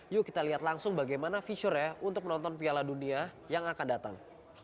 yuk kita lihat langsung bagaimana fiturnya untuk menonton piala dunia yang akan datang